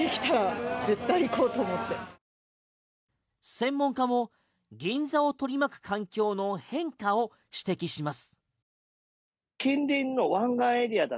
専門家も銀座を取り巻く環境の変化を指摘します。